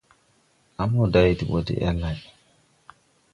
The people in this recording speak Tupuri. A mo day de ɓɔ de el lay.